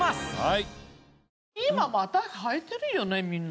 今またはいてるよねみんな。